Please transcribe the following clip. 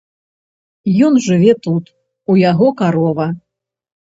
Ён жыве тут, у яго карова.